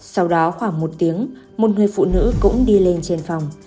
sau đó khoảng một tiếng một người phụ nữ cũng đi lên trên phòng